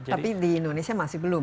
tapi di indonesia masih belum